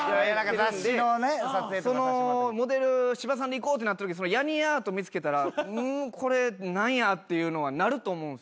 モデル芝さんでいこうってなったときやにアート見つけたらうんこれ何や？っていうのはなると思うんすよ。